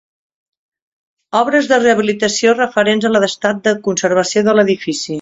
Obres de rehabilitació referents a l'estat de conservació de l'edifici.